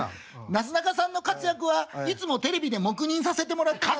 「なすなかさんの活躍はいつもテレビで黙認させてもらってます」。